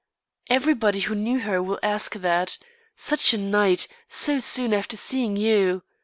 Everybody who knew her will ask that. Such a night! so soon after seeing you!